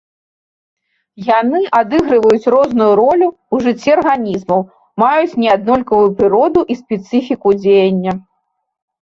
Яны адыгрываюць розную ролю ў жыцці арганізмаў, маюць неаднолькавую прыроду і спецыфіку дзеяння.